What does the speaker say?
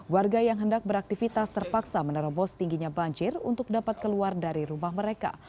warga yang hendak beraktivitas terpaksa menerobos tingginya banjir untuk dapat keluar dari rumah mereka